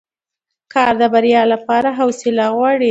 کار د بریا لپاره حوصله غواړي